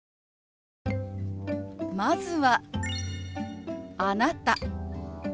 まずは「あなた」。